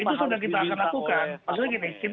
maksudnya gini kita akan lakukan itu